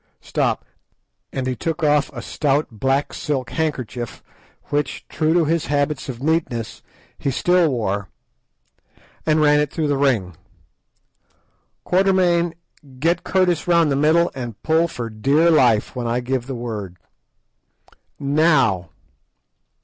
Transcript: Stop," and he took off a stout black silk handkerchief, which, true to his habits of neatness, he still wore, and ran it through the ring. "Quatermain, get Curtis round the middle and pull for dear life when I give the word. _Now.